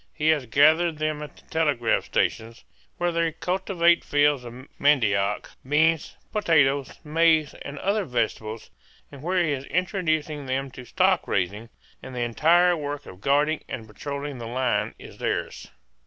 He has gathered them at the telegraph stations, where they cultivate fields of mandioc, beans, potatoes, maize, and other vegetables, and where he is introducing them to stock raising; and the entire work of guarding and patrolling the line is theirs.